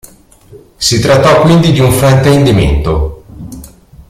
Si trattò quindi di un fraintendimento.